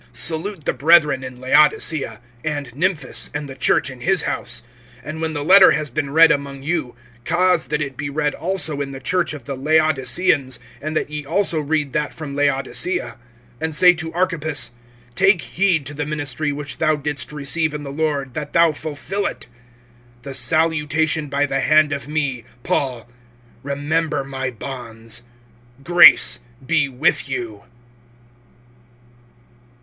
(15)Salute the brethren in Laodicea, and Nymphas, and the church in his house. (16)And when the letter has been read among you, cause that it be read also in the church of the Laodiceans, and that ye also read that from Laodicea. (17)And say to Archippus: Take heed to the ministry which thou didst receive in the Lord, that thou fulfill it. (18)The salutation by the hand of me, Paul. Remember my bonds. Grace be with you.